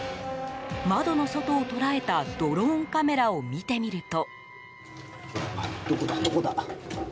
窓の外を捉えたドローンカメラを見てみると。